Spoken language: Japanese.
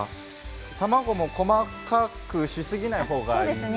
卵も細かくしすぎない方がいいですね。